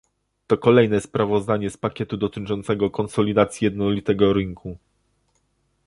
To kolejne sprawozdanie z pakietu dotyczącego konsolidacji jednolitego rynku